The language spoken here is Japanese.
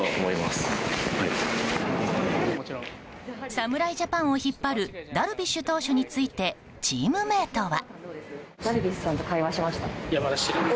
侍ジャパンを引っ張るダルビッシュ投手についてチームメートは。